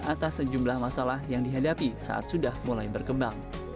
atas sejumlah masalah yang dihadapi saat sudah mulai berkembang